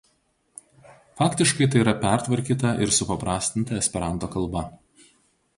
Faktiškai tai yra pertvarkyta ir supaprastinta esperanto kalba.